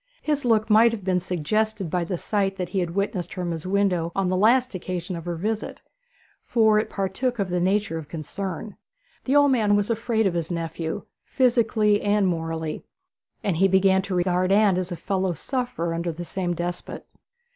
His look might have been suggested by the sight that he had witnessed from his window on the last occasion of her visit, for it partook of the nature of concern. The old man was afraid of his nephew, physically and morally, and he began to regard Anne as a fellow sufferer under the same despot.